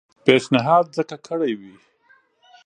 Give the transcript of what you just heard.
پېشنهاد ځکه کړی وي.